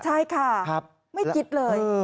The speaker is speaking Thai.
ใช่ค่ะไม่คิดเลย